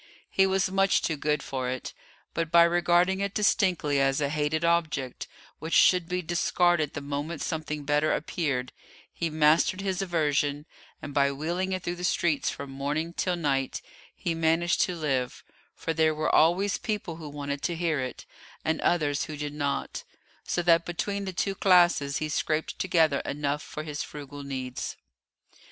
He was much too good for it, but by regarding it distinctly as a hated object which should be discarded the moment something better appeared, he mastered his aversion, and, by wheeling it through the streets from morning till night, he managed to live, for there were always people who wanted to hear it, and others who did not, so that between the two classes he scraped together enough for his frugal needs.